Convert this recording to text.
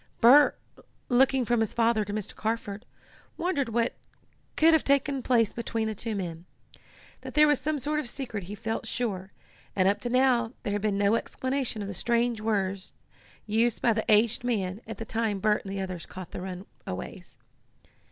Bert, looking from his father to Mr. Carford, wondered what could have once taken place between the two men. That there was some sort of secret he felt sure, and up to now there had been no explanation of the strange words used by the aged man at the time Bert and the others caught the runaways.